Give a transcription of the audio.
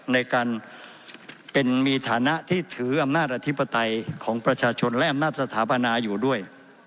ในการมีฐานะที่ถืออำนาจอธิปไตยของประชาชนและอำนาจสถาปนาอยู่ด้วย